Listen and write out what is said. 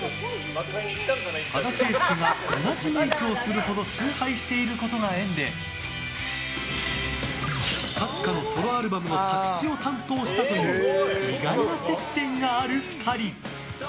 羽田圭介が同じメイクをするほど崇拝していることが縁で閣下のソロアルバムの作詞を担当したという意外な接点がある２人。